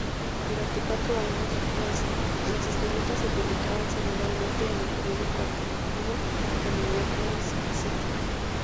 Durante cuatro años, las historietas se publicaban semanalmente en el periódico alternativo de Mineápolis-St.